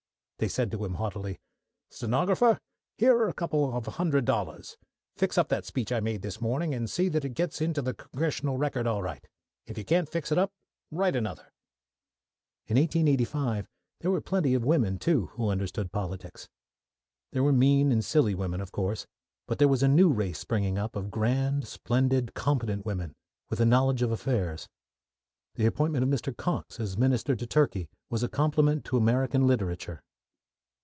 They said to him haughtily, "Stenographer, here are a couple of hundred dollars; fix up that speech I made this morning, and see that it gets into the Congressional Record all right. If you can't fix it up, write another." In 1885, there were plenty of women, too, who understood politics. There were mean and silly women, of course, but there was a new race springing up of grand, splendid, competent women, with a knowledge of affairs. The appointment of Mr. Cox as Minister to Turkey was a compliment to American literature.